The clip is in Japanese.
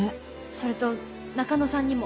それと中野さんにも。